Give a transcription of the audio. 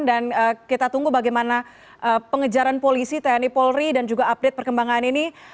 dan kita tunggu bagaimana pengejaran polisi tni polri dan juga update perkembangan ini